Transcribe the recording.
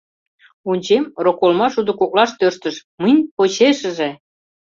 — Ончем, роколма шудо коклаш тӧрштыш, мынь — почешыже.